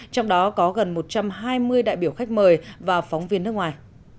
trong đó có gần một trăm hai mươi đại biểu khách mời và phóng viên nước ngoài